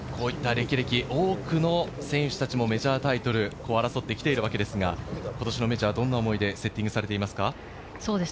こういった歴々、多くの選手たちもメジャータイトルを争ってきてるわけですが、今年のメジャーはどんな思いでセッティングされていますか？